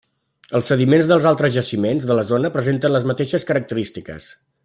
Els sediments dels altres jaciments de la zona presenten les mateixes característiques.